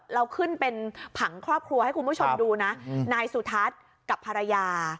เราขึ้นเป็นผังครอบครัวให้คุณผู้ชมดูนะนายสุทัศน์กับภรรยา